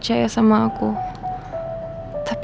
aku tuh tadi